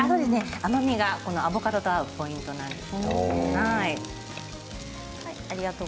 甘みがアボカドと合うポイントです。